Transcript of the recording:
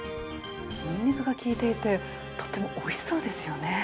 ニンニクが利いていてとてもおいしそうですよね。